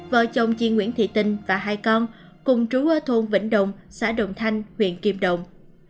vợ chồng chị nguyễn thị tinh và hai con cùng trú ở thôn vĩnh động xã động thanh huyện kim động